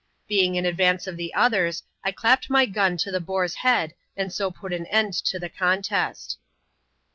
Being in advance of the others, I clapped my gun to the boar's head, and so put an end to the contest.